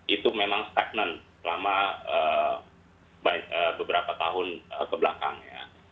itu memang stagnan selama beberapa tahun kebelakang ya